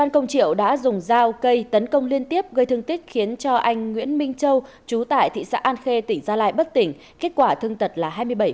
công triệu đã dùng dao cây tấn công liên tiếp gây thương tích khiến cho anh nguyễn minh châu chú tại thị xã an khê tỉnh gia lai bất tỉnh kết quả thương tật là hai mươi bảy